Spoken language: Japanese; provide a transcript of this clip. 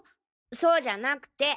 そうじゃなくて！